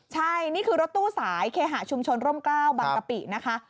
ใช่นี่คือรถตู้สายเคหะชุมชนร่มกล้าวบางกะปินะคะ